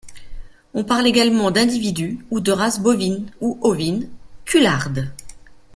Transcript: On parle également d'individu ou de race bovine, ou ovine, cularde.